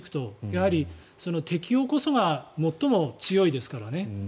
やはり適応こそが最も強いですからね。